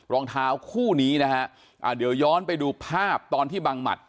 รองเท้าคู่นี้นะฮะอ่าเดี๋ยวย้อนไปดูภาพตอนที่บังหมัด